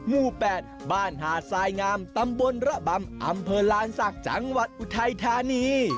หมู่๘บ้านหาดทรายงามตำบลระบำอำเภอลานศักดิ์จังหวัดอุทัยธานี